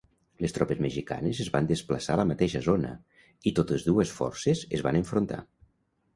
Les tropes mexicanes es van desplaçar a la mateixa zona, i totes dues forces es van enfrontar.